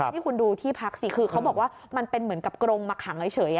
นี่คุณดูที่พักสิคือเขาบอกว่ามันเป็นเหมือนกับกรงมาขังเฉย